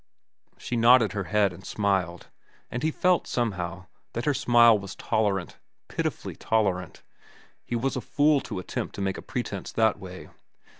She nodded her head and smiled, and he felt, somehow, that her smile was tolerant, pitifully tolerant. He was a fool to attempt to make a pretence that way.